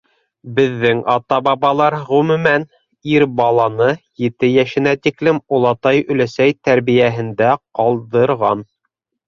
Беҙҙең ата-бабалар, ғөмүмән, ир баланы ете йәшенә тиклем олатай-өләсәй тәрбиәһендә ҡалдырған.